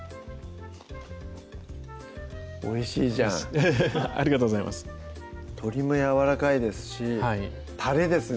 おいしいジャンありがとうございます鶏もやわらかいですしたれですね